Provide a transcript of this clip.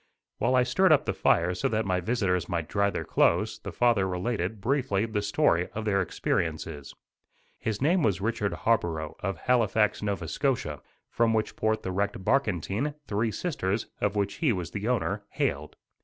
While I stirred up the fire so that my visitors might dry their clothes, the father related, briefly, the story of their experiences. His name was Richard Harborough, of Halifax, Nova Scotia, from which port the wrecked barkentine, Three Sisters, of which he was the owner, hailed.